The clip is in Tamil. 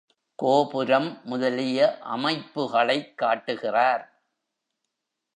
கோபுரம் முதலிய அமைப்புகளைக் காட்டுகிறார்.